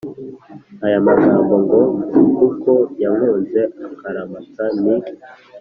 Aya magambo ngo kuko yankunze akaramata ni